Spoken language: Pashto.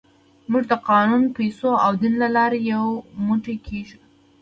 موږ د قانون، پیسو او دین له لارې یو موټی کېږو.